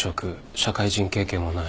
社会人経験もない。